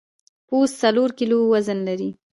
پوست څلور کیلو وزن لري.